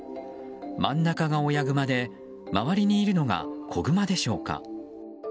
真ん中が親グマで周りにいるのが子グマでしょうか。